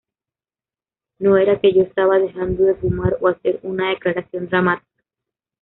No era que yo estaba dejando de fumar o hacer una declaración dramática.